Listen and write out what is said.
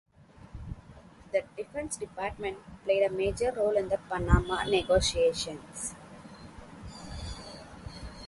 The Defense Department played a major role in the Panama negotiations.